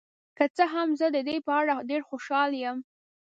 که څه هم، زه د دې په اړه ډیر خوشحاله یم.